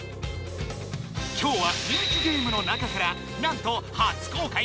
今日は人気ゲームの中からなんと初公開のとくべつ版まで！